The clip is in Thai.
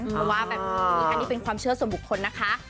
เพราะว่าแบบนี้อันนี้เป็นความเชื่อส่วนบุคคลนะคะ